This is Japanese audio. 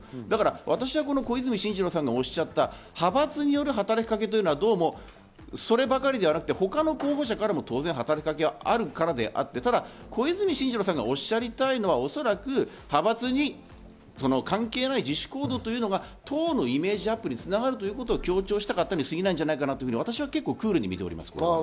私は、この小泉進次郎さんがおっしゃった派閥による働きかけというのは、どうもそればかりではなくて、他の候補者からも当然働きかけがあるからであって、小泉進次郎さんがおっしゃりたいのは派閥に関係ない自主行動というのが党のイメージアップに繋がるということを強調したかったにすぎないのではないかと、クールに見ています。